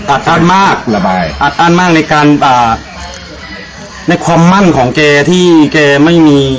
อัดอั้นมากระบายอัดอั้นมากในการอ่าในความมั่นของแกที่แกไม่มี